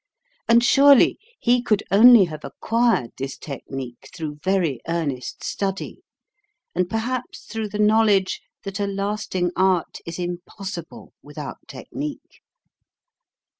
And surely he could only have acquired this technique through very earnest study, and per PRONUNCIATION. CONSONANTS 287 haps through the knowledge that a lasting art is impossible without technique.